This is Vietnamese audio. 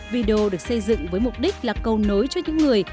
vido được xây dựng với mục đích là câu nối cho những người